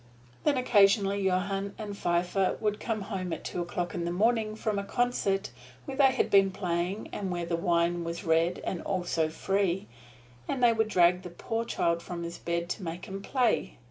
Then occasionally Johann and Pfeiffer would come home at two o'clock in the morning from a concert where they had been playing and where the wine was red and also free, and they would drag the poor child from his bed to make him play.